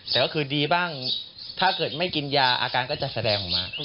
แต่ก็คือดีบ้างถ้าเกิดไม่กินยาอาการก็จะแสดงออกมา